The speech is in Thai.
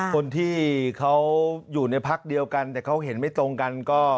คนที่เขาอยู่ในพักเดียวกันแต่เขาเห็นไม่ตรงกันก็